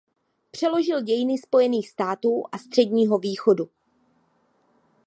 Přeložil dějiny Spojených států a Středního východu.